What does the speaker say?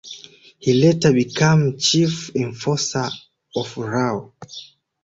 He later became chief enforcer of Rao.